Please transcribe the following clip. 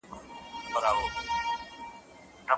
ماشوم د ونې په تنې باندې خپل کوچنی لاس کېښود.